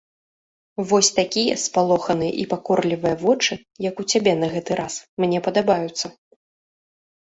Вось такія спалоханыя і пакорлівыя вочы, як у цябе на гэты раз, мне падабаюцца.